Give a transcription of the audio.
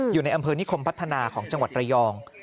อยู่ในอำเภอนิคมพัฒนาของจังหวัดระยอง